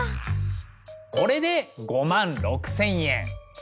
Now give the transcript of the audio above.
これで５万６，０００円。